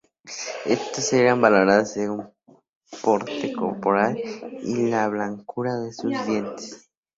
Estos eran valorados según su porte corporal y la blancura de sus dientes.